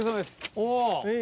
お。